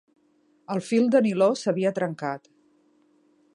El fil de niló s’havia trencat.